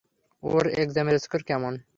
ওর এক্সামের স্কোর কেমন?